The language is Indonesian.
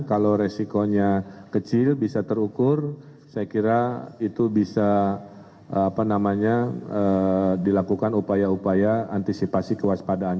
kalau resikonya kecil bisa terukur saya kira itu bisa dilakukan upaya upaya antisipasi kewaspadaan